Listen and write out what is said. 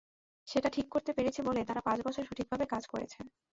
সেটা ঠিক করতে পেরেছি বলেই তারা পাঁচ বছর সঠিকভাবে কাজ করেছে।